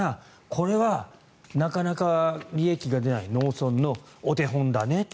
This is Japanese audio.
これはなかなか利益が出ない農村のお手本だねと。